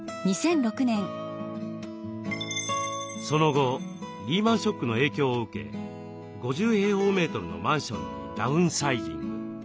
その後リーマンショックの影響を受け５０のマンションにダウンサイジング。